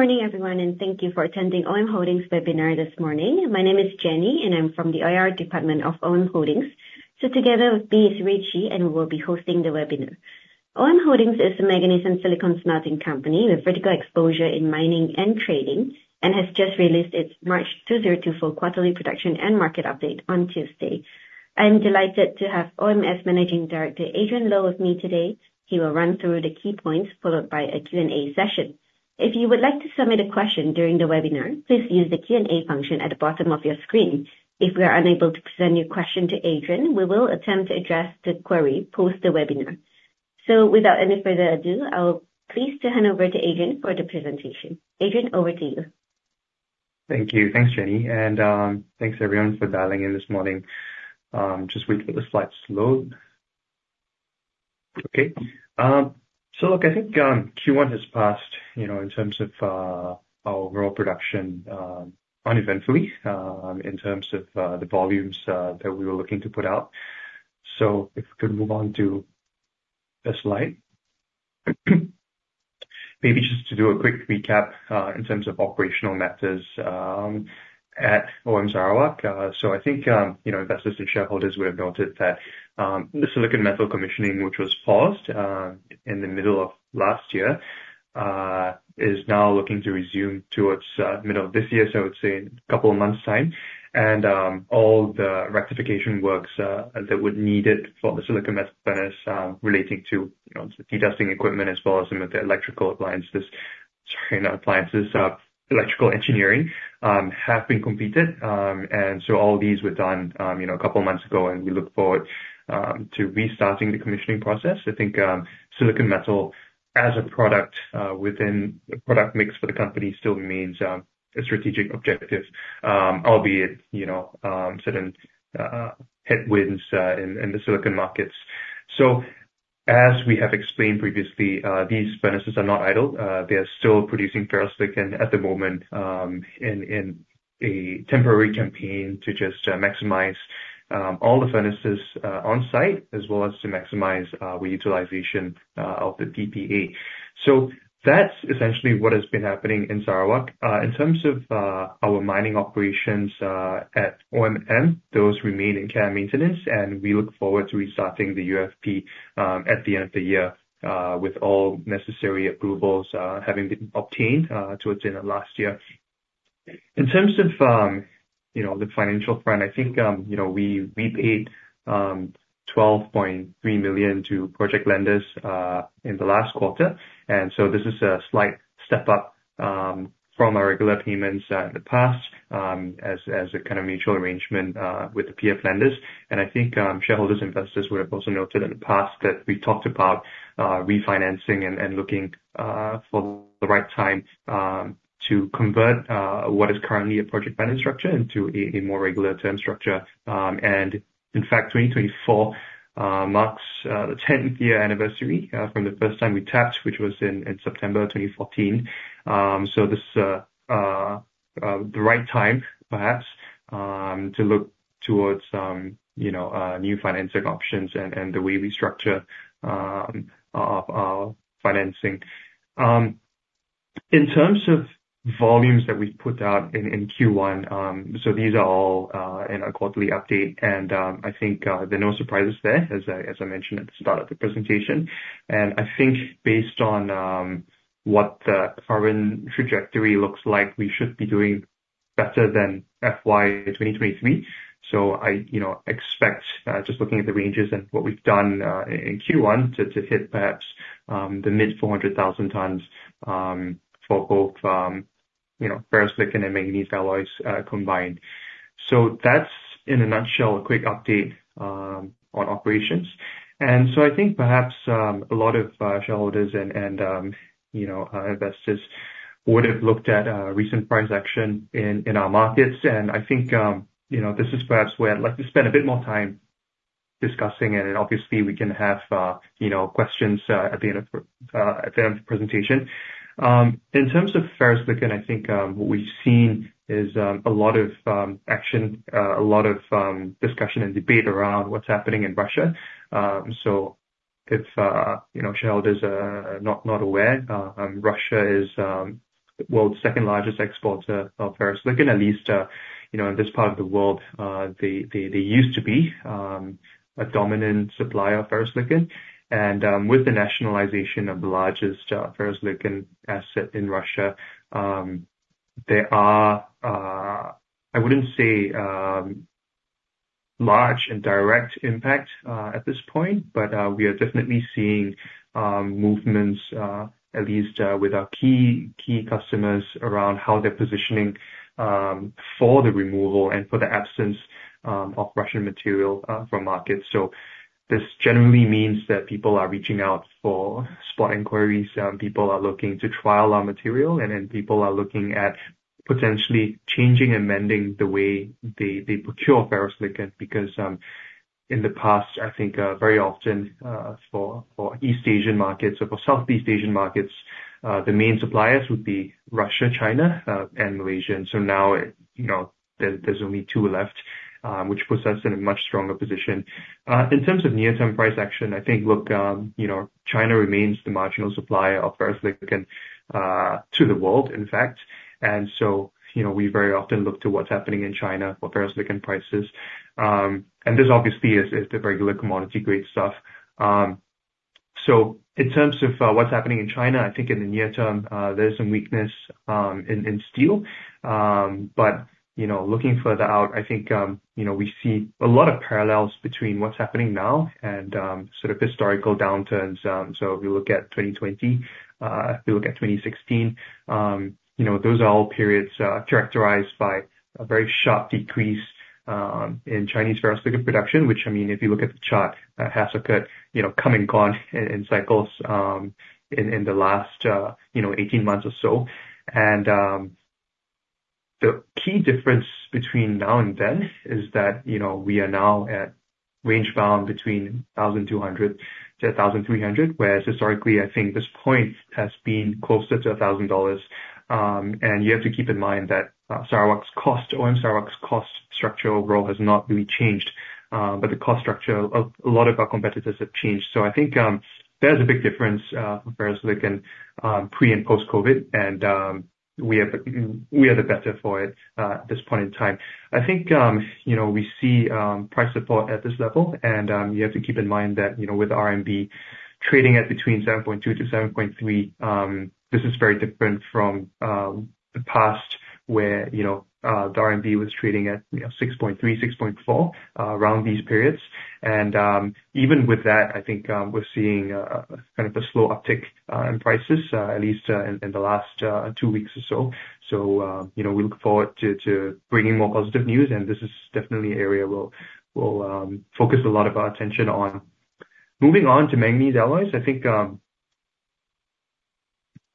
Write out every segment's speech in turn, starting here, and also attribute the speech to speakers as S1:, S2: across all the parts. S1: Good morning, everyone, and thank you for attending OM Holdings Webinar this morning. My name is Jenny, and I'm from the IR department of OM Holdings. So together with me is Rui Qi, and we'll be hosting the webinar. OM Holdings is a manganese and silicon smelting company with vertical exposure in mining and trading, and has just released its March 2024 Quarterly Production and Market Update on Tuesday. I'm delighted to have OM's Managing Director, Adrian Low, with me today. He will run through the key points, followed by a Q&A session. If you would like to submit a question during the webinar, please use the Q&A function at the bottom of your screen. If we are unable to present your question to Adrian, we will attempt to address the query post the webinar. Without any further ado, I'm pleased to hand over to Adrian for the presentation. Adrian, over to you.
S2: Thank you. Thanks, Jenny, and, thanks, everyone, for dialing in this morning. Just wait for the slides to load. Okay. So look, I think, Q1 has passed, you know, in terms of, our overall production, uneventfully, in terms of, the volumes, that we were looking to put out. So if we could move on to this slide. Maybe just to do a quick recap, in terms of operational matters, at OM Sarawak. So I think, you know, investors and shareholders would have noted that, the silicon metal commissioning, which was paused, in the middle of last year, is now looking to resume towards, middle of this year, so I would say a couple of months' time. All the rectification works that would need it for the silicon metal furnace, relating to, you know, the dusting equipment as well as some of the electrical appliances. Sorry, not appliances, electrical engineering have been completed. And so all these were done, you know, a couple of months ago, and we look forward to restarting the commissioning process. I think silicon metal as a product within the product mix for the company still remains a strategic objective. Albeit, you know, certain headwinds in the silicon markets. So as we have explained previously, these furnaces are not idle. They are still producing ferrosilicon at the moment, in a temporary campaign to just maximize all the furnaces on site, as well as to maximize reutilization of the PPA. So that's essentially what has been happening in Sarawak. In terms of our mining operations at OMM, those remain in care and maintenance, and we look forward to restarting the UFP at the end of the year, with all necessary approvals having been obtained towards the end of last year. In terms of, you know, the financial front, I think, you know, we paid 12.3 million to project lenders in the last quarter, and so this is a slight step up from our regular payments in the past as a kind of mutual arrangement with the PF lenders. And I think shareholders and investors would have also noted in the past that we've talked about refinancing and looking for the right time to convert what is currently a project funding structure into a more regular term structure. And in fact, 2024 marks the 10th year anniversary from the first time we tapped, which was in September of 2014. So this is the right time, perhaps, to look towards, you know, new financing options and the way we structure our financing. In terms of volumes that we put out in Q1, so these are all in our quarterly update, and I think there are no surprises there, as I mentioned at the start of the presentation. And I think based on what the current trajectory looks like, we should be doing better than FY 2023. So I, you know, expect, just looking at the ranges and what we've done in Q1 to hit perhaps the mid-400,000 tons for both, you know, ferrosilicon and manganese alloys, combined. So that's in a nutshell, a quick update on operations. I think perhaps a lot of shareholders and investors would have looked at recent price action in our markets. I think you know, this is perhaps where I'd like to spend a bit more time discussing it, and obviously we can have you know, questions at the end of the presentation. In terms of ferrosilicon, I think what we've seen is a lot of action, a lot of discussion and debate around what's happening in Russia. So if you know, shareholders are not aware, Russia is the world's second largest exporter of ferrosilicon, at least you know, in this part of the world. They used to be a dominant supplier of ferrosilicon, and with the nationalization of the largest ferrosilicon asset in Russia, there are. I wouldn't say large and direct impact at this point, but we are definitely seeing movements at least with our key customers around how they're positioning for the removal and for the absence of Russian material from markets. So this generally means that people are reaching out for spot inquiries, people are looking to trial our material, and then people are looking at potentially changing and amending the way they procure ferrosilicon. Because in the past, I think very often for East Asian markets or for Southeast Asian markets, the main suppliers would be Russia, China, and Malaysia. And so now, you know, there, there's only two left, which puts us in a much stronger position. In terms of near-term price action, I think, look, you know, China remains the marginal supplier of ferrosilicon to the world, in fact. And so, you know, we very often look to what's happening in China for ferrosilicon prices. And this obviously is the regular commodity grade stuff. So in terms of, what's happening in China, I think in the near term, there's some weakness in steel. But, you know, looking further out, I think, you know, we see a lot of parallels between what's happening now and sort of historical downturns. So if you look at 2020, if you look at 2016, you know, those are all periods characterized by a very sharp decrease in Chinese ferrosilicon production. Which, I mean, if you look at the chart, has occurred, you know, come and gone in cycles in the last 18 months or so. The key difference between now and then is that, you know, we are now range-bound between $1,200-$1,300, whereas historically, I think this point has been closer to $1,000. You have to keep in mind that Sarawak's cost, OM Sarawak's cost structure overall has not really changed, but the cost structure of a lot of our competitors have changed. I think there's a big difference for ferrosilicon pre- and post-COVID, and we are the better for it at this point in time. I think you know, we see price support at this level. And you have to keep in mind that you know, with RMB trading at between 7.2-7.3, this is very different from the past, where you know the RMB was trading at you know, 6.3, 6.4 around these periods. And even with that, I think we're seeing kind of a slow uptick in prices at least in the last two weeks or so. So, you know, we look forward to bringing more positive news, and this is definitely an area we'll focus a lot of our attention on. Moving on to manganese alloys, I think...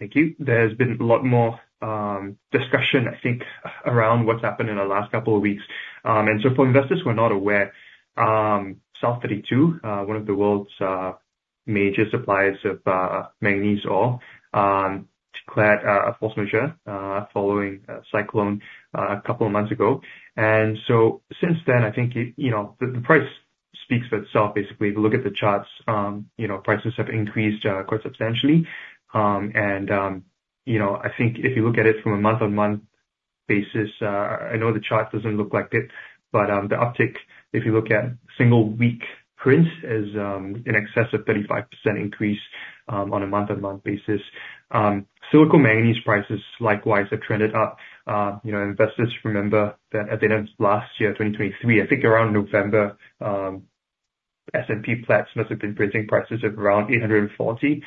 S2: Thank you. There's been a lot more discussion, I think, around what's happened in the last couple of weeks. And so for investors who are not aware, South32, one of the world's major suppliers of manganese ore, declared force majeure following a cyclone a couple of months ago. And so since then, I think, you know, the price speaks for itself. Basically, if you look at the charts, you know, prices have increased quite substantially. And, you know, I think if you look at it from a month-on-month basis, I know the chart doesn't look like it, but the uptick, if you look at single week prints, is in excess of 35% increase on a month-on-month basis. Silicomanganese prices likewise have trended up. You know, investors remember that at the end of last year, 2023, I think around November, S&P Platts must have been pricing prices at around $840-$850.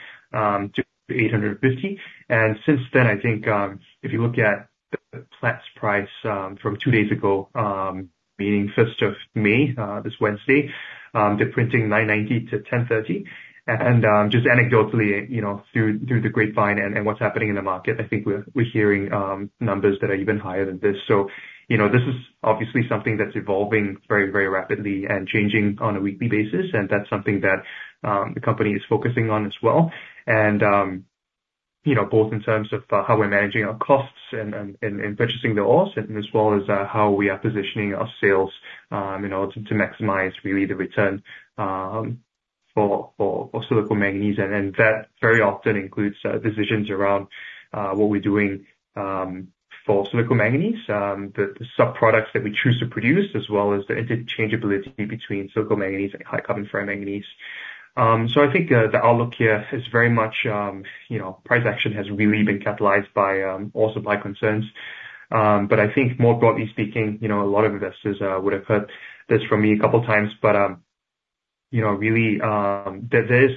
S2: And since then, I think, if you look at the Platts price from two days ago, being the fifth of May, this Wednesday, they're printing $990-$1030. Just anecdotally, you know, through the grapevine and what's happening in the market, I think we're hearing numbers that are even higher than this. So, you know, this is obviously something that's evolving very rapidly and changing on a weekly basis, and that's something that the company is focusing on as well. You know, both in terms of how we're managing our costs and purchasing the ores, as well as how we are positioning our sales in order to maximize really the return for silicomanganese. And then that very often includes decisions around what we're doing for silicomanganese, the subproducts that we choose to produce, as well as the interchangeability between silicomanganese and high-carbon ferromanganese. So I think the outlook here is very much, you know, price action has really been catalyzed by ore supply concerns. But I think more broadly speaking, you know, a lot of investors would have heard this from me a couple times, but you know, really, there is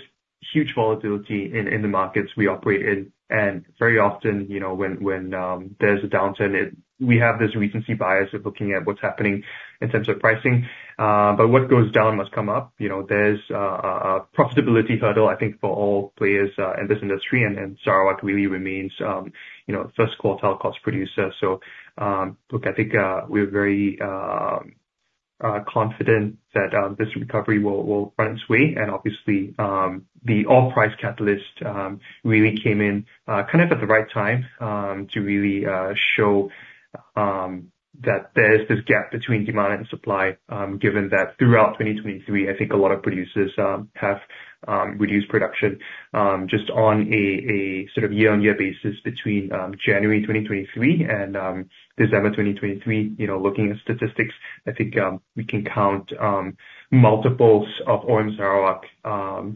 S2: huge volatility in the markets we operate in. And very often, you know, when there's a downturn, we have this recency bias of looking at what's happening in terms of pricing. But what goes down must come up. You know, there's a profitability hurdle, I think, for all players in this industry, and Sarawak really remains, you know, first quartile cost producer. So look, I think we're very confident that this recovery will run its way. Obviously, the ore price catalyst really came in, kind of at the right time, to really show that there's this gap between demand and supply. Given that throughout 2023, I think a lot of producers have reduced production, just on a sort of year-on-year basis between January 2023 and December 2023. You know, looking at statistics, I think we can count multiples of OM Sarawak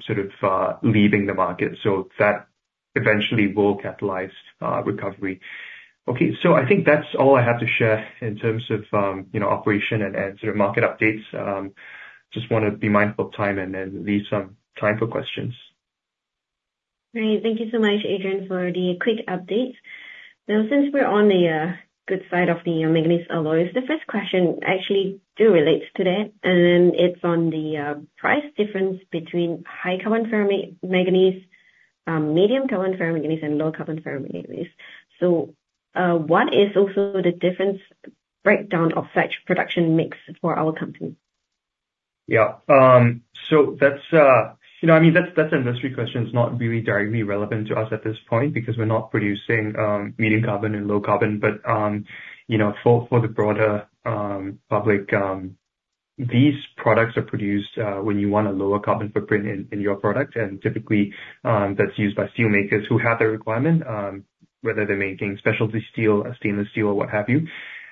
S2: sort of leaving the market. So that eventually will catalyze recovery. Okay. So I think that's all I have to share in terms of, you know, operation and sort of market updates. Just want to be mindful of time and then leave some time for questions.
S1: Great. Thank you so much, Adrian, for the quick update. Now, since we're on the good side of the manganese alloys, the first question actually relates to that, and it's on the price difference between high-carbon ferromanganese, medium-carbon ferromanganese, and low-carbon ferromanganese. So, what is also the difference breakdown of such production mix for our company?
S2: Yeah. So that's, you know, I mean, that's, that's an industry question. It's not really directly relevant to us at this point, because we're not producing medium carbon and low carbon. But, you know, for, for the broader public, these products are produced when you want a lower carbon footprint in, in your product. And typically, that's used by steelmakers who have the requirement, whether they're making specialty steel or stainless steel or what have you.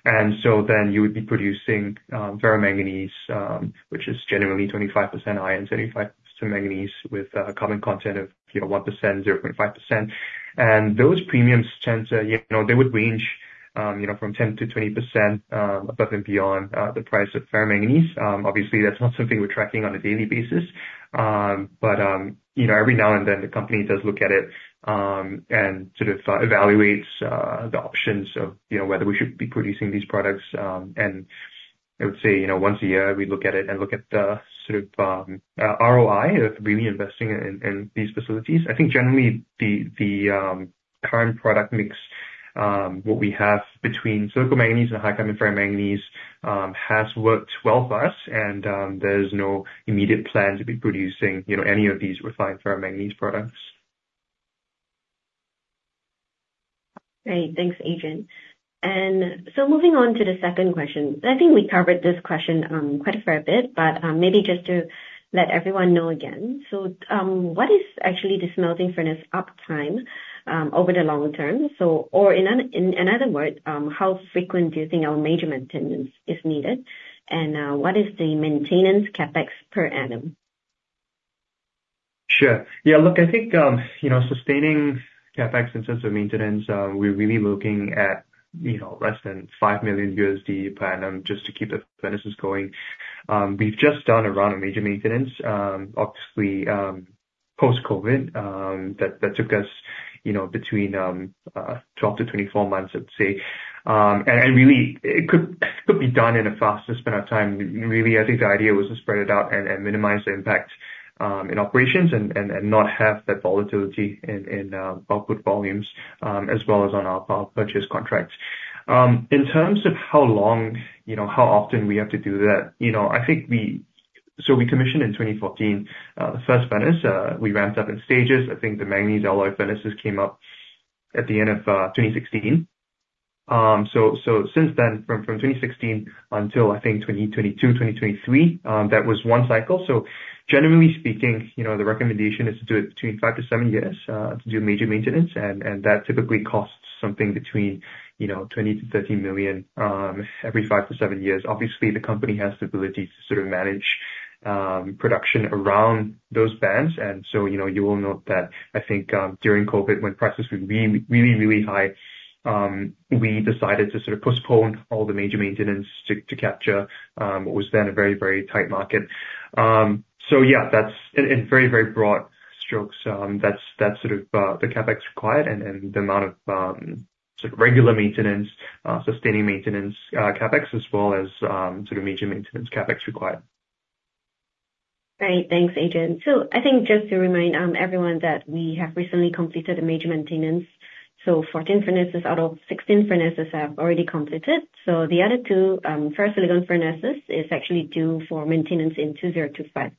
S2: And so then you would be producing ferromanganese, which is generally 25% iron, 25% manganese with carbon content of, you know, 1%, 0.5%. And those premiums tends to, you know, they would range from 10%-20% above and beyond the price of ferromanganese. Obviously, that's not something we're tracking on a daily basis. But, you know, every now and then, the company does look at it, and to sort of evaluates the options of, you know, whether we should be producing these products. And I would say, you know, once a year, we look at it and look at the sort of ROI of really investing in these facilities. I think generally the current product mix, what we have between silicomanganese and high-carbon ferromanganese, has worked well for us, and there's no immediate plan to be producing, you know, any of these refined ferromanganese products.
S1: Great. Thanks, Adrian. So moving on to the second question. I think we covered this question quite a fair bit, but maybe just to let everyone know again. What is actually the smelting furnace uptime over the long term? Or in other words, how frequent do you think our major maintenance is needed? And what is the maintenance CapEx per annum?
S2: Sure. Yeah, look, I think, you know, sustaining CapEx in terms of maintenance, we're really looking at, you know, less than $5 million per annum just to keep the furnaces going. We've just done a round of major maintenance, obviously, post-COVID, that took us, you know, between 12-24 months, I'd say. And really, it could be done in a faster span of time. Really, I think the idea was to spread it out and minimize the impact in operations and not have that volatility in output volumes, as well as on our power purchase contracts. In terms of how long, you know, how often we have to do that, you know, I think we... So we commissioned in 2014 the first furnace. We ramped up in stages. I think the manganese alloy furnaces came up at the end of 2016. So, so since then, from 2016 until, I think, 2022, 2023, that was one cycle. So generally speaking, you know, the recommendation is to do it between 5-7 years to do a major maintenance, and that typically costs something between, you know, $20 million-$30 million every 5-7 years. Obviously, the company has the ability to sort of manage production around those bands. And so, you know, you will note that I think during COVID, when prices were really, really high, we decided to sort of postpone all the major maintenance to capture what was then a very, very tight market. So yeah, that's... In very, very broad strokes, that's, that's sort of the CapEx required and the amount of sort of regular maintenance, sustaining maintenance, CapEx, as well as sort of major maintenance CapEx required.
S1: Great. Thanks, Adrian. So I think just to remind everyone that we have recently completed a major maintenance, so 14 furnaces out of 16 furnaces have already completed. So the other two ferrosilicon furnaces is actually due for maintenance in 2025.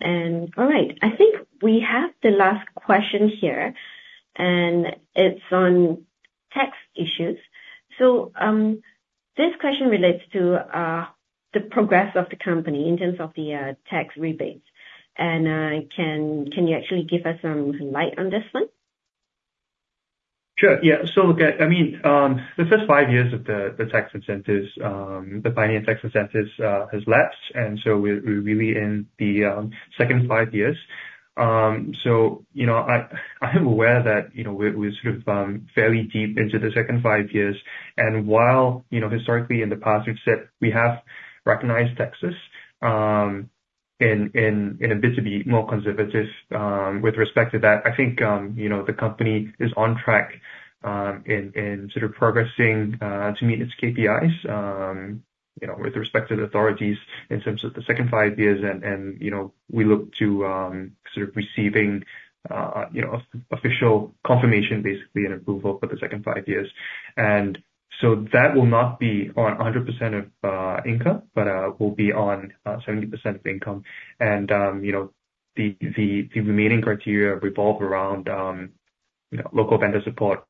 S1: And all right, I think we have the last question here, and it's on tax issues. So this question relates to the progress of the company in terms of the tax rebates. And can you actually give us some light on this one?
S2: Sure, yeah. So, look, I mean, the first five years of the tax incentives, the pioneer tax incentives, has lapsed, and so we're, we're really in the second five years. So, you know, I, I'm aware that, you know, we're, we're sort of fairly deep into the second five years. And while, you know, historically, in the past, we've said we have recognized taxes, in a bit to be more conservative, with respect to that, I think, you know, the company is on track, in sort of progressing, to meet its KPIs. You know, with respect to the authorities in terms of the second five years, and, and, you know, we look to sort of receiving, you know, official confirmation, basically, and approval for the second five years. That will not be on 100% of income, but will be on 70% of income. You know, the remaining criteria revolve around you know, local vendor support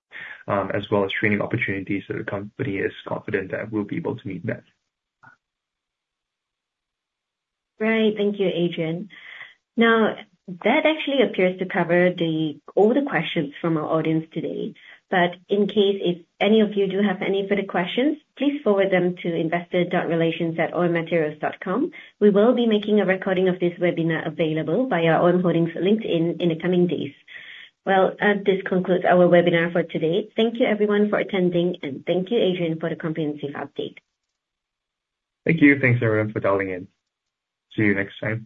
S2: as well as training opportunities, so the company is confident that we'll be able to meet that.
S1: Great. Thank you, Adrian. Now, that actually appears to cover the... all the questions from our audience today, but in case if any of you do have any further questions, please forward them to investor.relations@ommaterials.com. We will be making a recording of this webinar available by our OM Holdings links in the coming days. Well, this concludes our webinar for today. Thank you, everyone, for attending, and thank you, Adrian, for the comprehensive update.
S2: Thank you. Thanks, everyone, for dialing in. See you next time.